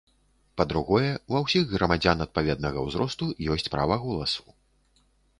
Па-другое, ва ўсіх грамадзян адпаведнага ўзросту ёсць права голасу.